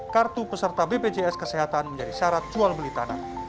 kartu peserta bpjs kesehatan menjadi syarat jual beli tanah